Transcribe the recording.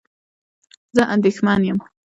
زه اندېښمن یم